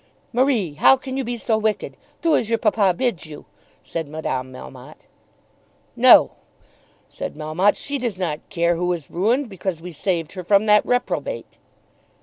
"Marie, how can you be so wicked? Do as your papa bids you," said Madame Melmotte. "No!" said Melmotte. "She does not care who is ruined, because we saved her from that reprobate."